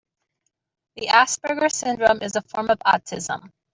The Asperger syndrome is a form of autism.